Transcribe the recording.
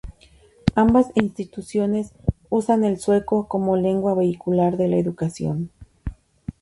Ambas instituciones usan el sueco como lengua vehicular de la educación.